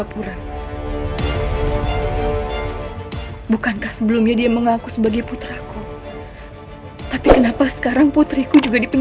jangan lagi membuat onar di sini